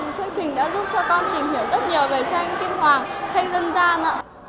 chương trình đã giúp cho con tìm hiểu rất nhiều về tranh kim hoàng tranh dân gian